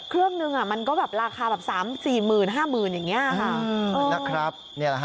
เครื่องหนึ่งมันก็ราคา๓๔หมื่น๕หมื่นบาทอย่างนี้ค่ะ